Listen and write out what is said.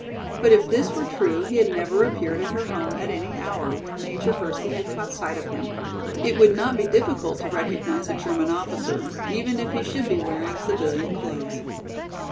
But if this were true he had never appeared at her home at any hour when Major Hersey had caught sight of him. It would not be difficult to recognize a German officer, even if he should be wearing civilian clothes.